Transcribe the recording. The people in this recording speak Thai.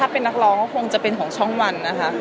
เป็นนักร้องคงจะเป็นของช่องวัน